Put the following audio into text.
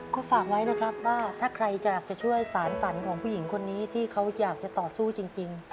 ก็ฝากไว้นะครับว่าถ้าใครอยากจะช่วยสารฝันของผู้หญิงคนนี้ที่เขาอยากจะต่อสู้จริง